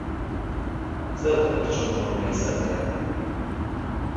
Zer da pertsona ona izatea?